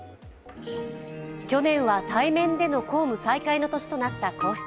去年は対面での公務再開の年となった皇室。